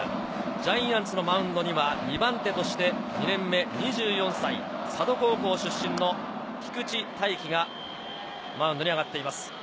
ジャイアンツのマウンドには２番手として２年目２４歳、佐渡高校出身の菊地大稀がマウンドに上がっています。